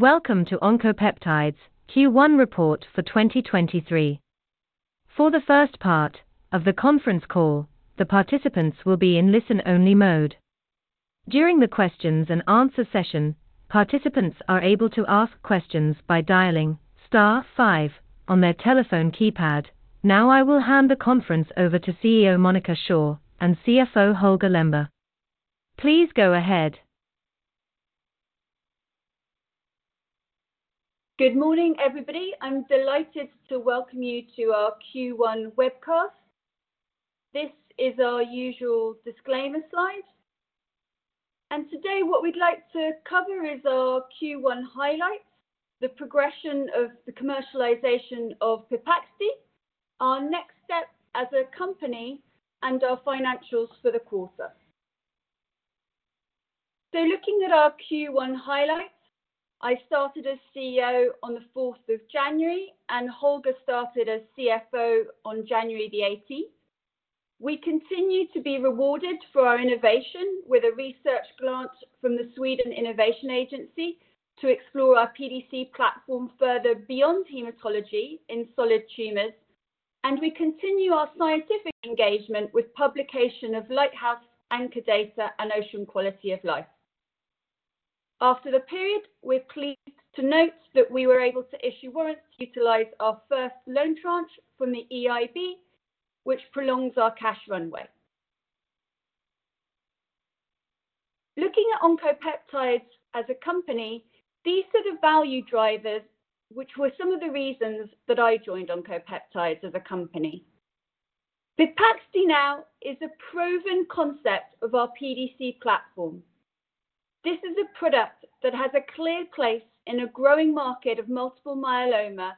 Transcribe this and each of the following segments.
Welcome to Oncopeptides Q1 report for 2023. For the first part of the conference call, the participants will be in listen-only mode. During the questions and answer session, participants are able to ask questions by dialing star five on their telephone keypad. Now I will hand the conference over to CEO Monica Shaw and CFO Holger Lembrér. Please go ahead. Good morning, everybody. I'm delighted to welcome you to our Q1 webcast. This is our usual disclaimer slide. Today, what we'd like to cover is our Q1 highlights, the progression of the commercialization of Pepaxti, our next steps as a company, and our financials for the quarter. Looking at our Q1 highlights, I started as CEO on the fourth of January, and Holger started as CFO on January the 18th. We continue to be rewarded for our innovation with a research grant from the Sweden Innovation Agency to explore our PDC platform further beyond hematology in solid tumors. We continue our scientific engagement with publication of LIGHTHOUSE, ANCHOR Data, and OCEAN Quality of Life. After the period, we're pleased to note that we were able to issue warrants to utilize our first loan tranche from the EIB, which prolongs our cash runway. Looking at Oncopeptides as a company, these are the value drivers which were some of the reasons that I joined Oncopeptides as a company. Pepaxti now is a proven concept of our PDC platform. This is a product that has a clear place in a growing market of multiple myeloma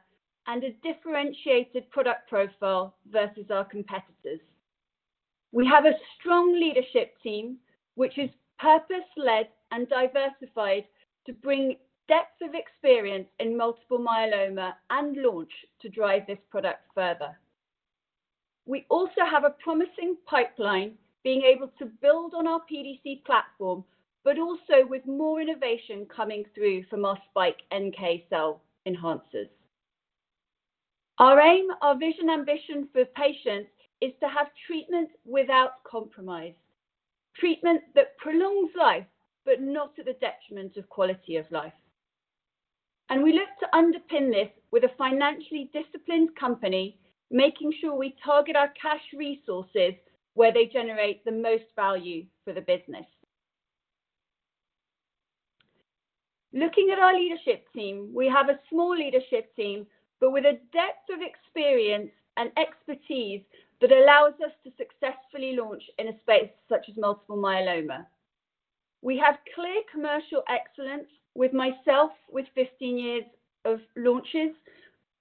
and a differentiated product profile versus our competitors. We have a strong leadership team which is purpose-led and diversified to bring depth of experience in multiple myeloma and launch to drive this product further. We also have a promising pipeline being able to build on our PDC platform, but also with more innovation coming through from our SPiKE NK cell engagers. Our aim, our vision ambition for patients is to have treatment without compromise, treatment that prolongs life, but not to the detriment of quality of life. We look to underpin this with a financially disciplined company, making sure we target our cash resources where they generate the most value for the business. Looking at our leadership team, we have a small leadership team, but with a depth of experience and expertise that allows us to successfully launch in a space such as multiple myeloma. We have clear commercial excellence with myself with 15 years of launches,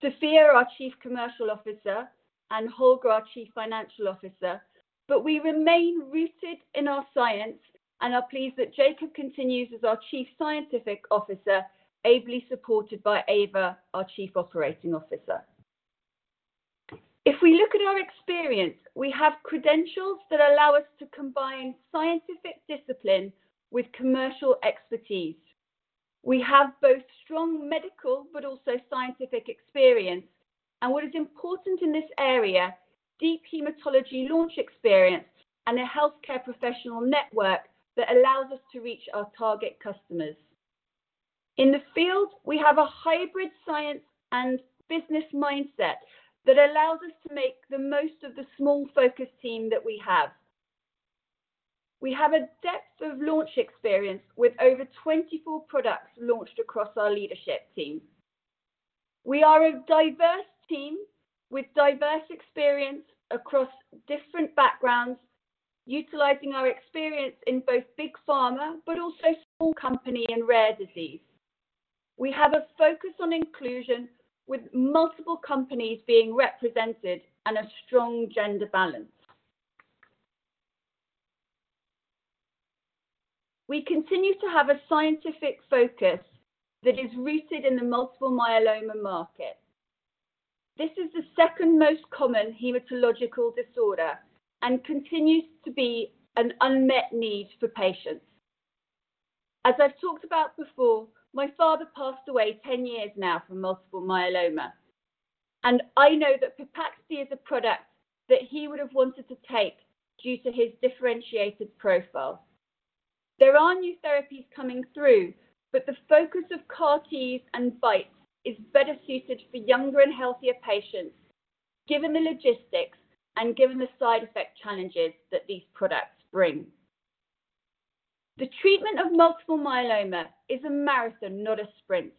Sofia, our Chief Commercial Officer, and Holger, our Chief Financial Officer. We remain rooted in our science and are pleased that Jacob continues as our Chief Scientific Officer, ably supported by Eva, our Chief Operating Officer. If we look at our experience, we have credentials that allow us to combine scientific discipline with commercial expertise. We have both strong medical but also scientific experience and what is important in this area, deep hematology launch experience and a healthcare professional network that allows us to reach our target customers. In the field, we have a hybrid science and business mindset that allows us to make the most of the small focus team that we have. We have a depth of launch experience with over 24 products launched across our leadership team. We are a diverse team with diverse experience across different backgrounds, utilizing our experience in both big pharma but also small company and rare disease. We have a focus on inclusion with multiple companies being represented and a strong gender balance. We continue to have a scientific focus that is rooted in the multiple myeloma market. This is the second most common hematological disorder and continues to be an unmet need for patients. As I've talked about before, my father passed away 10 years now from multiple myeloma. I know that Pepaxti is a product that he would have wanted to take due to his differentiated profile. There are new therapies coming through. The focus of CAR-Ts and BiTE is better suited for younger and healthier patients, given the logistics and given the side effect challenges that these products bring. The treatment of multiple myeloma is a marathon, not a sprint.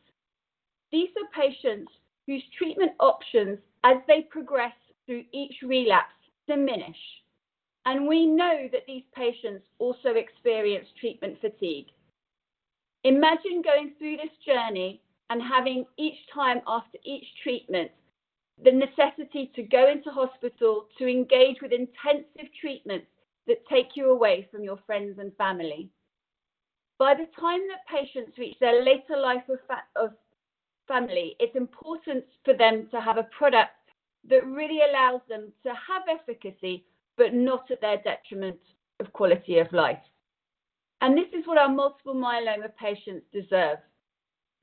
These are patients whose treatment options as they progress through each relapse diminish. We know that these patients also experience treatment fatigue. Imagine going through this journey and having each time after each treatment the necessity to go into hospital to engage with intensive treatments that take you away from your friends and family. By the time that patients reach their later life of family, it's important for them to have a product that really allows them to have efficacy, but not at their detriment of quality of life. This is what our multiple myeloma patients deserve.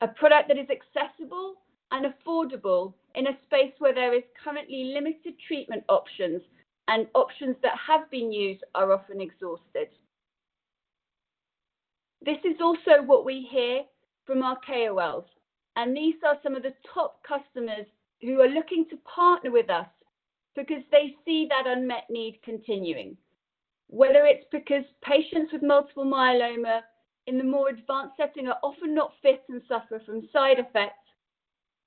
A product that is accessible and affordable in a space where there is currently limited treatment options. Options that have been used are often exhausted. This is also what we hear from our KOLs. These are some of the top customers who are looking to partner with us because they see that unmet need continuing. Whether it's because patients with multiple myeloma in the more advanced setting are often not fit and suffer from side effects,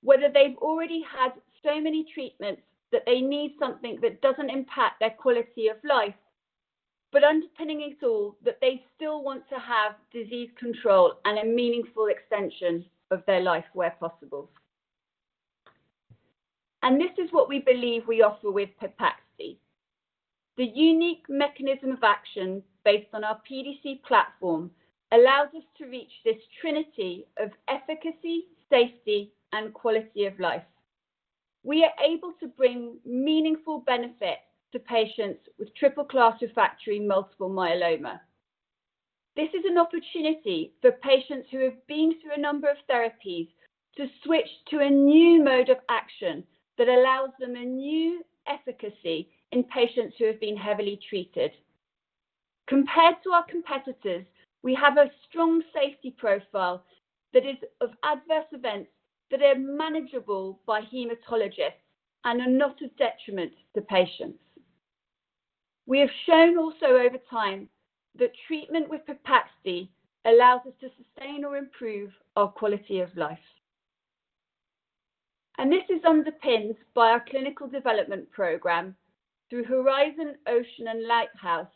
whether they've already had so many treatments that they need something that doesn't impact their quality of life. Underpinning it all, that they still want to have disease control and a meaningful extension of their life where possible. This is what we believe we offer with Pepaxti. The unique mechanism of action based on our PDC platform allows us to reach this trinity of efficacy, safety, and quality of life. We are able to bring meaningful benefit to patients with triple class refractory multiple myeloma. This is an opportunity for patients who have been through a number of therapies to switch to a new mode of action that allows them a new efficacy in patients who have been heavily treated. Compared to our competitors, we have a strong safety profile that is of adverse events that are manageable by hematologists and are not a detriment to patients. We have shown also over time that treatment with Pepaxti allows us to sustain or improve our quality of life. This is underpinned by our clinical development program through HORIZON, OCEAN, and LIGHTHOUSE,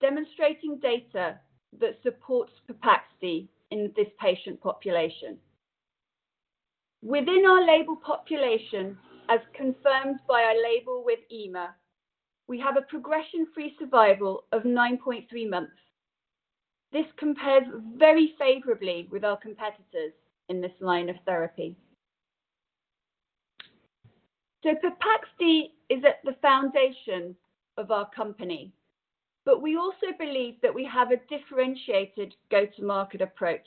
demonstrating data that supports Pepaxti in this patient population. Within our label population, as confirmed by our label with EMA, we have a progression-free survival of 9.3 months. This compares very favorably with our competitors in this line of therapy. Pepaxti is at the foundation of our company, but we also believe that we have a differentiated go-to-market approach.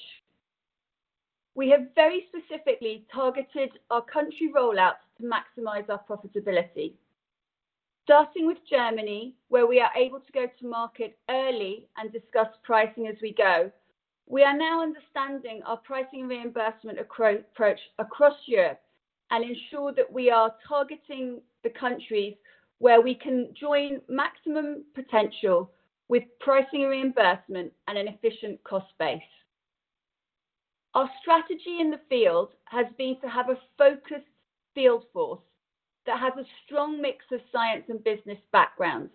We have very specifically targeted our country rollouts to maximize our profitability. Starting with Germany, where we are able to go to market early and discuss pricing as we go, we are now understanding our pricing reimbursement approach across Europe and ensure that we are targeting the countries where we can join maximum potential with pricing reimbursement and an efficient cost base. Our strategy in the field has been to have a focused field force that has a strong mix of science and business backgrounds.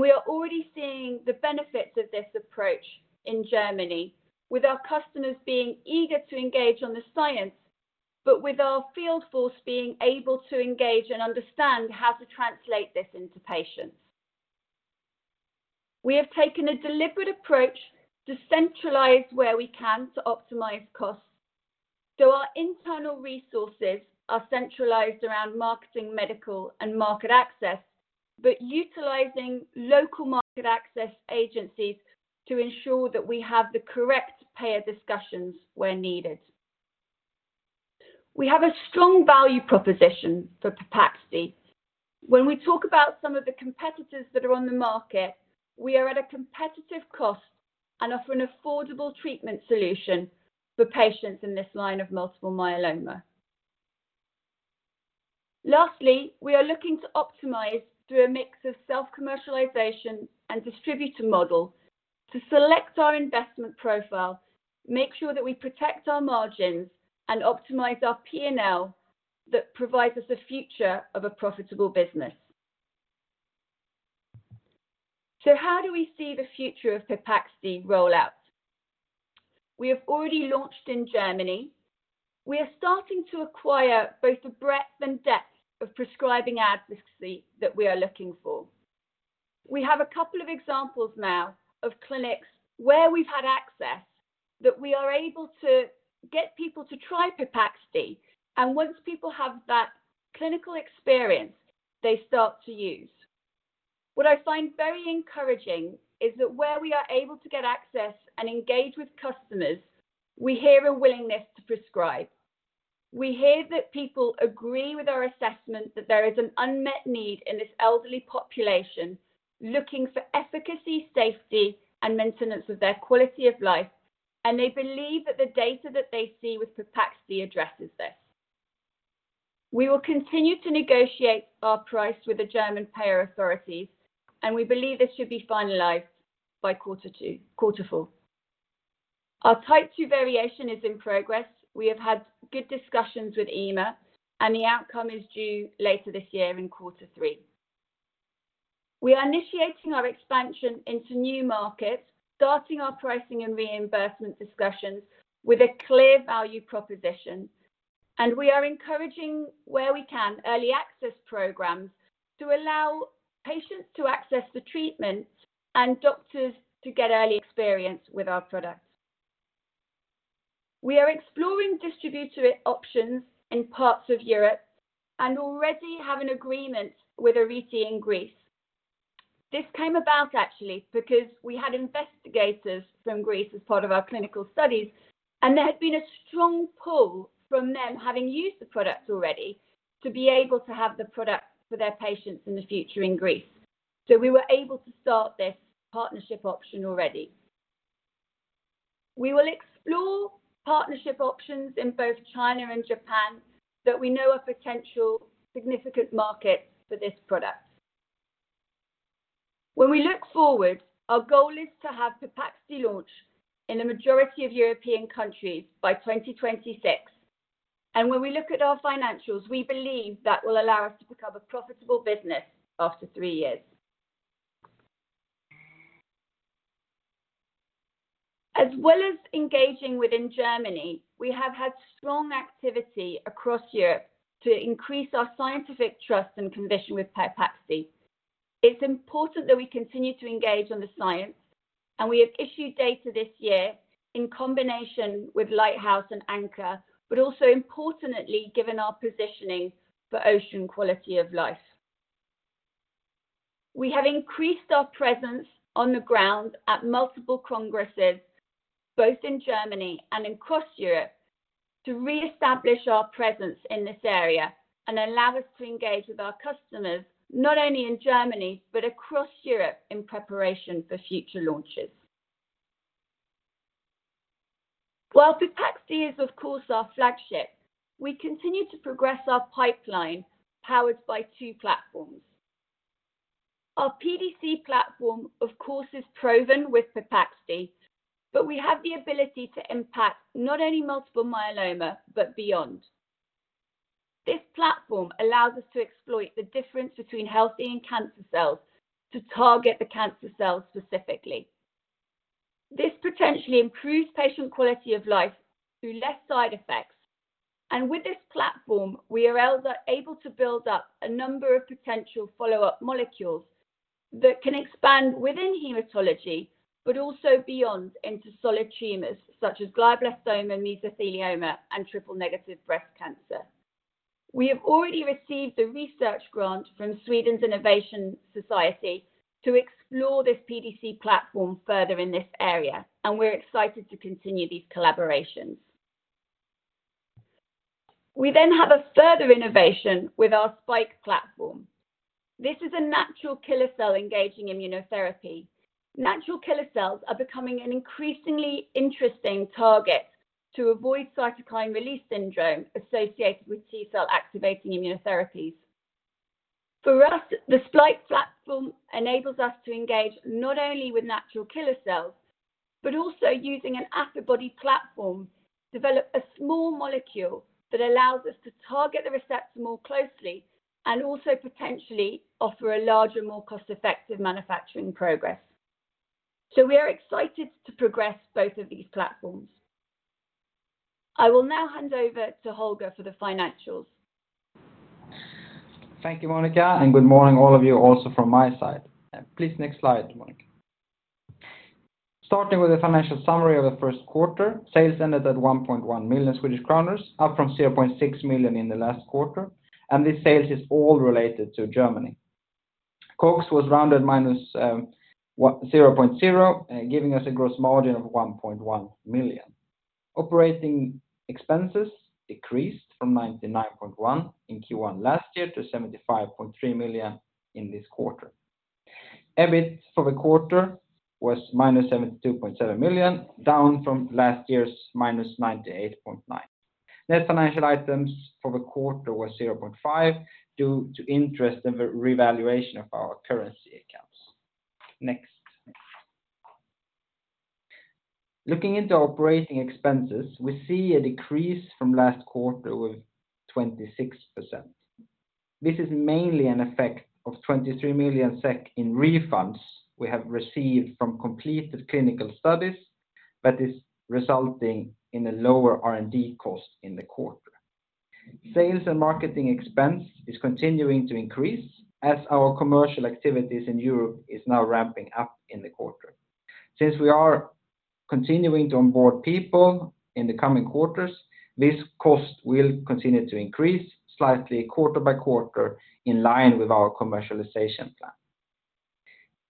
We are already seeing the benefits of this approach in Germany with our customers being eager to engage on the science, but with our field force being able to engage and understand how to translate this into patients. We have taken a deliberate approach to centralize where we can to optimize costs. Our internal resources are centralized around marketing, medical, and market access, but utilizing local market access agencies to ensure that we have the correct payer discussions where needed. We have a strong value proposition for Pepaxti. When we talk about some of the competitors that are on the market, we are at a competitive cost and offer an affordable treatment solution for patients in this line of multiple myeloma. Lastly, we are looking to optimize through a mix of self-commercialization and distributor model to select our investment profile, make sure that we protect our margins, and optimize our P&L that provides us a future of a profitable business. How do we see the future of Pepaxti rollout? We have already launched in Germany. We are starting to acquire both the breadth and depth of prescribing advocacy that we are looking for. We have a couple of examples now of clinics where we've had access that we are able to get people to try Pepaxti. Once people have that clinical experience, they start to use. What I find very encouraging is that where we are able to get access and engage with customers, we hear a willingness to prescribe. We hear that people agree with our assessment that there is an unmet need in this elderly population looking for efficacy, safety, and maintenance of their quality of life. They believe that the data that they see with Pepaxti addresses this. We will continue to negotiate our price with the German payer authorities. We believe this should be finalized by quarter four. Our Type II Variation is in progress. We have had good discussions with EMA. The outcome is due later this year in quarter three. We are initiating our expansion into new markets, starting our pricing and reimbursement discussions with a clear value proposition. We are encouraging, where we can, early access programs to allow patients to access the treatment and doctors to get early experience with our product. We are exploring distributor options in parts of Europe and already have an agreement with Ariti in Greece. This came about actually because we had investigators from Greece as part of our clinical studies, and there had been a strong pull from them having used the product already to be able to have the product for their patients in the future in Greece. We were able to start this partnership option already. We will explore partnership options in both China and Japan that we know are potential significant markets for this product. When we look forward, our goal is to have Pepaxti launch in the majority of European countries by 2026. When we look at our financials, we believe that will allow us to become a profitable business after three years. As well as engaging within Germany, we have had strong activity across Europe to increase our scientific trust and conviction with Pepaxti. It's important that we continue to engage on the science, and we have issued data this year in combination with LIGHTHOUSE and ANCHOR but also importantly, given our positioning for OCEAN quality of life. We have increased our presence on the ground at multiple congresses, both in Germany and across Europe, to reestablish our presence in this area and allow us to engage with our customers, not only in Germany but across Europe in preparation for future launches. While Pepaxti is of course our flagship, we continue to progress our pipeline powered by two platforms. Our PDC platform, of course, is proven with Pepaxti, but we have the ability to impact not only multiple myeloma but beyond. This platform allows us to exploit the difference between healthy and cancer cells to target the cancer cells specifically. This potentially improves patient quality of life through less side effects. With this platform, we are able to build up a number of potential follow-up molecules that can expand within hematology but also beyond into solid tumors such as glioblastoma, mesothelioma, and triple-negative breast cancer. We have already received a research grant from Vinnova to explore this PDC platform further in this area, and we're excited to continue these collaborations. We have a further innovation with our SPiKE platform. This is a natural killer cell engaging immunotherapy. Natural killer cells are becoming an increasingly interesting target to avoid cytokine release syndrome associated with T-cell activating immunotherapies. For us, the SPiKE platform enables us to engage not only with natural killer cells but also using an antibody platform, develop a small molecule that allows us to target the receptor more closely and also potentially offer a larger, more cost-effective manufacturing progress. We are excited to progress both of these platforms. I will now hand over to Holger for the financials. Thank you, Monica, and good morning all of you also from my side. Please next slide, Monica. Starting with the financial summary of the first quarter. Sales ended at 1.1 million Swedish kronor, up from 0.6 million SEK in the last quarter, and this sales is all related to Germany. COGS was rounded minus 0.0 SEK, giving us a gross margin of 1.1 million SEK. Operating expenses decreased from 99.1 million SEK in Q1 last year to 75.3 million SEK in this quarter. EBIT for the quarter was -72.7 million SEK, down from last year's -98.9 million SEK. Net financial items for the quarter was 0.5 million SEK, due to interest and the revaluation of our currency accounts. Next. Looking into operating expenses, we see a decrease from last quarter with 26%. This is mainly an effect of 23 million SEK in refunds we have received from completed clinical studies that is resulting in a lower R&D cost in the quarter. Sales and marketing expense is continuing to increase as our commercial activities in Europe is now ramping up in the quarter. We are continuing to onboard people in the coming quarters, this cost will continue to increase slightly quarter by quarter in line with our commercialization plan.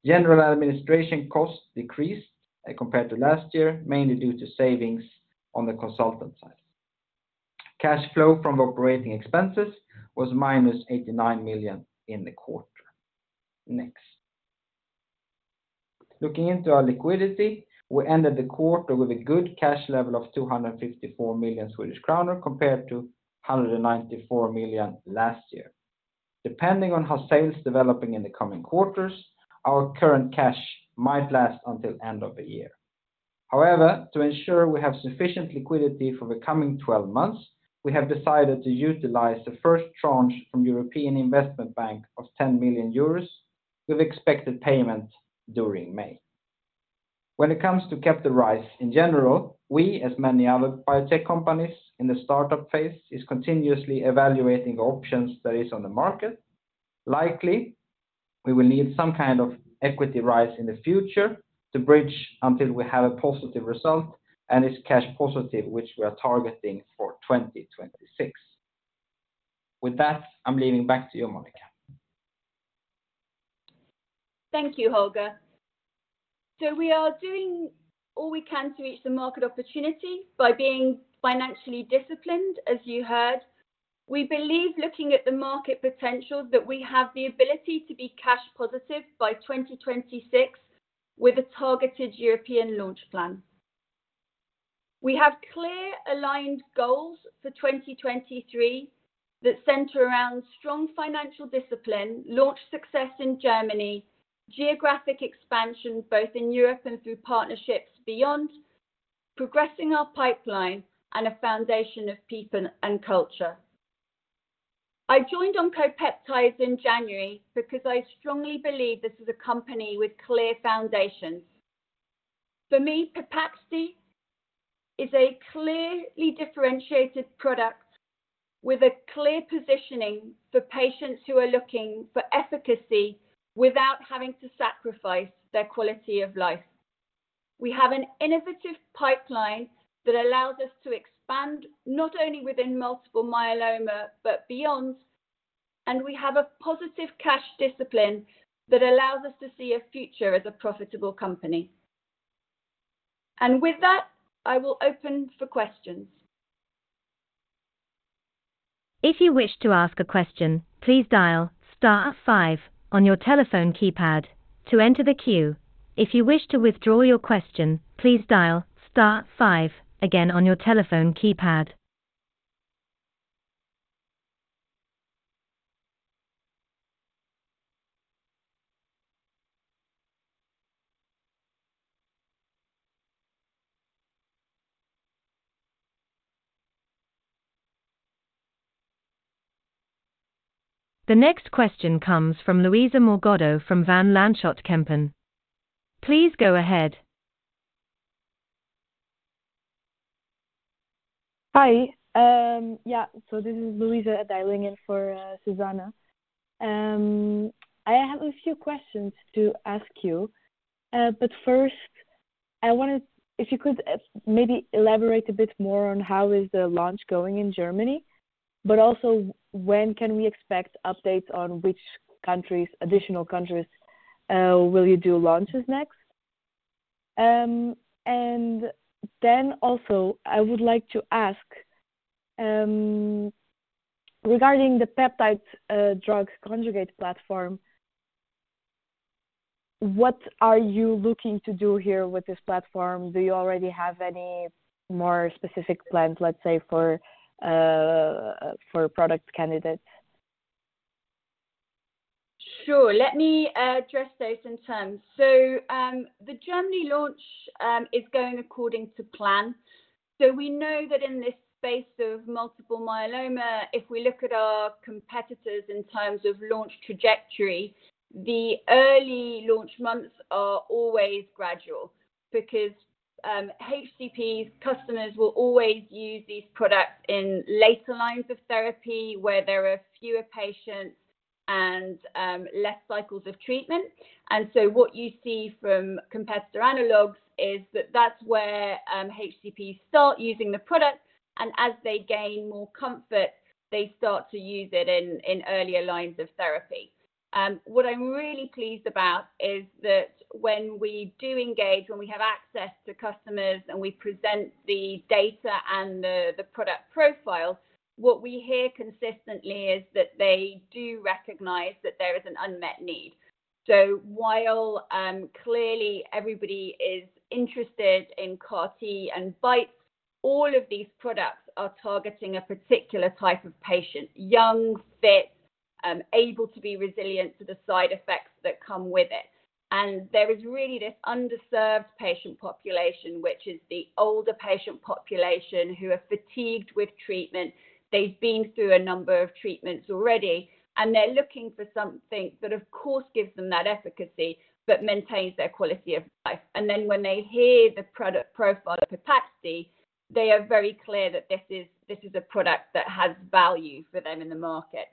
General administration costs decreased compared to last year, mainly due to savings on the consultant side. Cash flow from operating expenses was minus 89 million in the quarter. Next. Looking into our liquidity, we ended the quarter with a good cash level of 254 million Swedish kronor compared to 194 million last year. Depending on how sales developing in the coming quarters, our current cash might last until end of the year. To ensure we have sufficient liquidity for the coming 12 months, we have decided to utilize the first tranche from European Investment Bank of 10 million euros with expected payment during May. When it comes to capital rise in general, we, as many other biotech companies in the startup phase, is continuously evaluating options that is on the market, likely we will need some kind of equity rise in the future to bridge until we have a positive result and it's cash positive, which we are targeting for 2026. With that, I'm leaving back to you, Monica. Thank you, Holger. We are doing all we can to reach the market opportunity by being financially disciplined, as you heard. We believe looking at the market potential that we have the ability to be cash positive by 2026 with a targeted European launch plan. We have clear aligned goals for 2023 that center around strong financial discipline, launch success in Germany, geographic expansion both in Europe and through partnerships beyond progressing our pipeline and a foundation of people and culture. I joined Oncopeptides in January because I strongly believe this is a company with clear foundations. For me, Pepaxti is a clearly differentiated product with a clear positioning for patients who are looking for efficacy without having to sacrifice their quality of life. We have an innovative pipeline that allows us to expand not only within multiple myeloma but beyond, and we have a positive cash discipline that allows us to see a future as a profitable company. With that, I will open for questions. If you wish to ask a question, please dial star 5 on your telephone keypad to enter the queue. If you wish to withdraw your question, please dial star 5 again on your telephone keypad. The next question comes from Luisa Morgado from Van Lanschot Kempen. Please go ahead. Hi. Yeah. This is Luisa dialing in for Susanna. I have a few questions to ask you. First, if you could maybe elaborate a bit more on how is the launch going in Germany, but also when can we expect updates on which countries, additional countries, will you do launches next? And the also I would like to ask regarding the Peptide Drug Conjugate platform, what are you looking to do here with this platform? Do you already have any more specific plans, let's say, for product candidates? Sure. Let me address those in turn. The Germany launch is going according to plan. We know that in this space of multiple myeloma, if we look at our competitors in terms of launch trajectory, the early launch months are always gradual because HCP customers will always use these products in later lines of therapy where there are fewer patients and less cycles of treatment. What you see from competitor analogs is that that's where HCP start using the product, and as they gain more comfort, they start to use it in earlier lines of therapy. What I'm really pleased about is that when we do engage, when we have access to customers and we present the data and the product profile, what we hear consistently is that they do recognize that there is an unmet need. Clearly everybody is interested in CAR-T and BiTE, all of these products are targeting a particular type of patient, young, fit, able to be resilient to the side effects that come with it. There is really this underserved patient population, which is the older patient population who are fatigued with treatment. They've been through a number of treatments already, and they're looking for something that of course gives them that efficacy but maintains their quality of life. When they hear the product profile of Pepaxti, they are very clear that this is a product that has value for them in the market.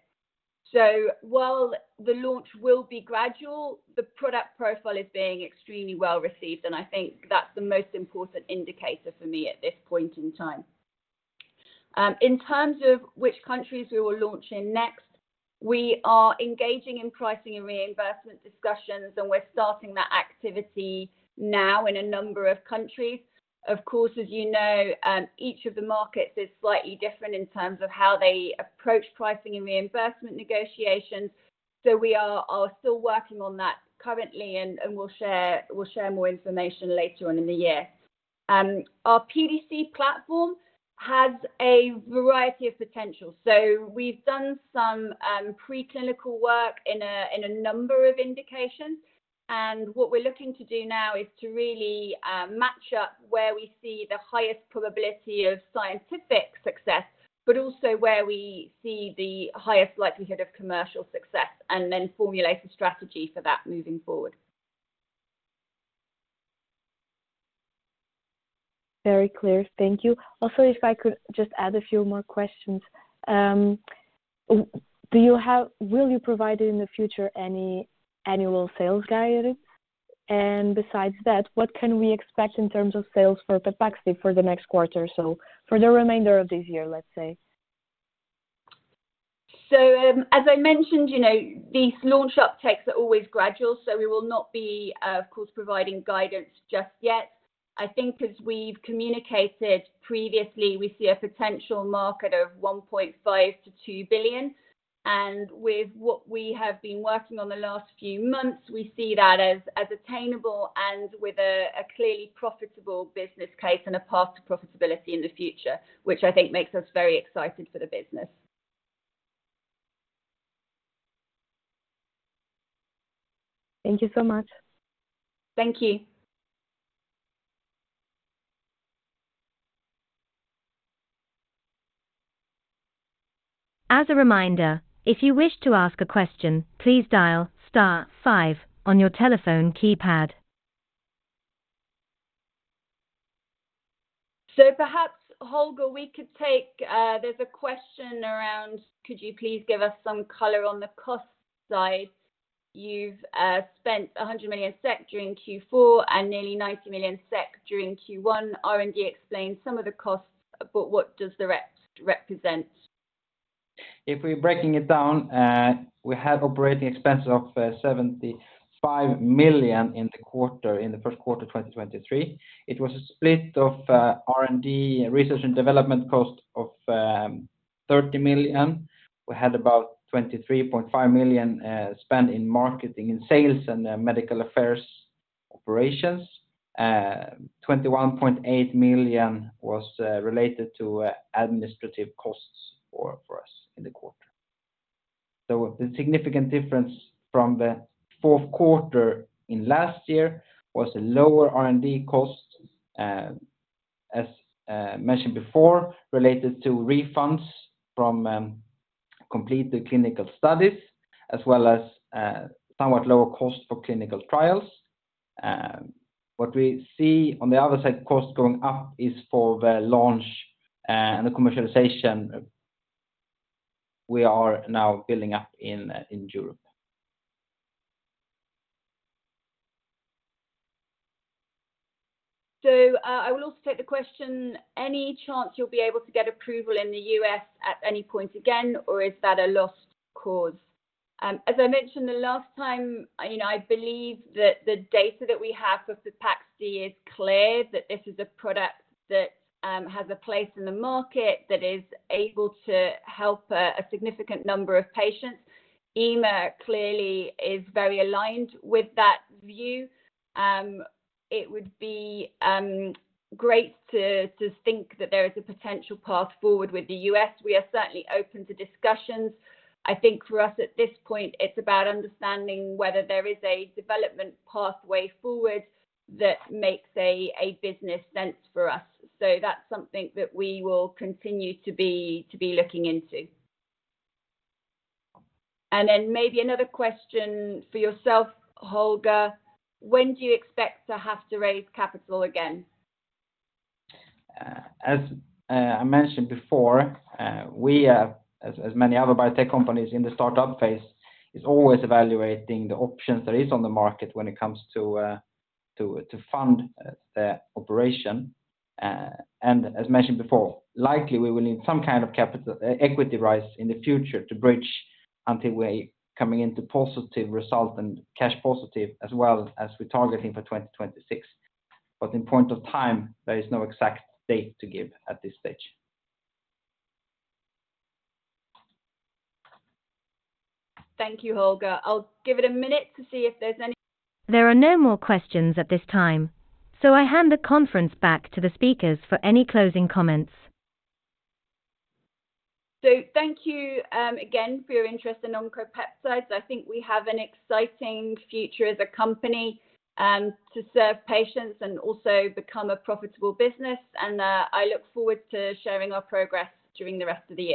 The launch will be gradual, the product profile is being extremely well received, and I think that's the most important indicator for me at this point in time. In terms of which countries we will launch in next, we are engaging in pricing and reimbursement discussions. We're starting that activity now in a number of countries. Of course, as you know, each of the markets is slightly different in terms of how they approach pricing and reimbursement negotiations. We are still working on that currently and we will share more information later on in the year. Our PDC platform has a variety of potential. We have done some preclinical work in a number of indications. What we are looking to do now is to really match up where we see the highest probability of scientific success, also where we see the highest likelihood of commercial success then formulate a strategy for that moving forward. Very clear. Thank you. Also, if I could just add a few more questions. Will you provide in the future any annual sales guidance? Besides that, what can we expect in terms of sales for Pepaxti for the next quarter, so for the remainder of this year, let's say? So as I mentioned you know, these launch uptakes are always gradual, so we will not be of course, providing guidance just yet. I think as we've communicated previously, we see a potential market of 1.5 billion-2 billion. With what we have been working on the last few months, we see that as attainable and with a clearly profitable business case and a path to profitability in the future, which I think makes us very excited for the business. Thank you so much. Thank you. As a reminder, if you wish to ask a question, please dial star five on your telephone keypad. So perhaps, Holger, we could take, there's a question around could you please give us some color on the cost side? You've spent 100 million SEK during Q4 and nearly 90 million SEK during Q1. R&D explained some of the costs, but what does the rest represent? We're breaking it down, we have operating expenses of 75 million in the quarter, in the first quarter 2023. It was a split of R&D, research and development cost of 30 million. We had about 23.5 million spent in marketing and sales and medical affairs operations. 21.8 million was related to administrative costs for us in the quarter. The significant difference from the fourth quarter in last year was the lower R&D costs. As mentioned before, related to refunds from completed clinical studies, as well as somewhat lower cost for clinical trials. What we see on the other side, cost going up is for the launch and the commercialization we are now building up in Europe. I will also take the question, any chance you'll be able to get approval in the U.S. at any point again, or is that a lost cause? As I mentioned the last time, you know, I believe that the data that we have for Pepaxti is clear that this is a product that has a place in the market that is able to help a significant number of patients. EMA clearly is very aligned with that view. It would be great to think that there is a potential path forward with the U.S. We are certainly open to discussions. I think for us at this point, it's about understanding whether there is a development pathway forward that makes a business sense for us. That's something that we will continue to be looking into. Maybe another question for yourself, Holger, when do you expect to have to raise capital again? As I mentioned before, we as many other biotech companies in the startup phase, is always evaluating the options there is on the market when it comes to fund the operation. As mentioned before, likely we will need some kind of capital equity rise in the future to bridge until we are coming into positive result and cash positive as well as we're targeting for 2026. In point of time, there is no exact date to give at this stage. Thank you, Holger. I'll give it a minute to see if there's any... There are no more questions at this time. I hand the conference back to the speakers for any closing comments. Thank you again for your interest in Oncopeptides. I think we have an exciting future as a company to serve patients and also become a profitable business. I look forward to sharing our progress during the rest of the year.